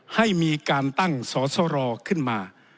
ให้มีการตั้งสอสรขึ้นมา